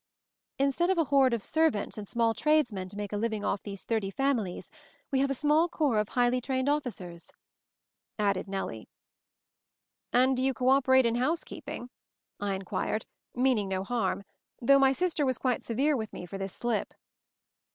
"Instead of a horde of servants and small tradesmen to make a living off these thirty families, we have a small corps of highly trained officers," added Nellie. "And do you co operate in housekeep ing?" I inquired, meaning no harm, though my sister was quite severe with me for this slip.